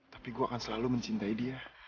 tapi gue akan selalu mencintai dia